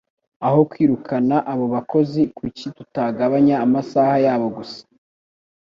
Aho kwirukana abo bakozi, kuki tutagabanya amasaha yabo gusa?